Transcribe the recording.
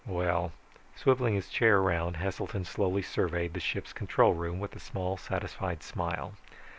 Well ..." Swiveling his chair around, Heselton slowly surveyed the ship's control room with a small, satisfied smile.